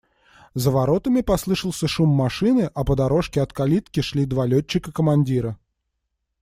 За воротами послышался шум машины, а по дорожке от калитки шли два летчика-командира.